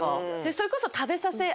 ⁉それこそ。